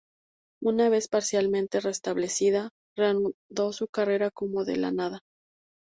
Una vez parcialmente restablecida, reanudó su carrera como de la nada.